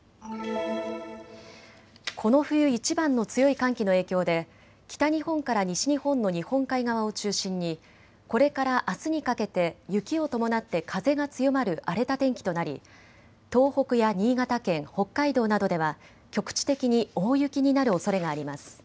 この冬いちばんの強い寒気の影響で北日本から西日本の日本海側を中心にこれからあすにかけて雪を伴って風が強まる荒れた天気となり東北や新潟県、北海道などでは局地的に大雪になるおそれがあります。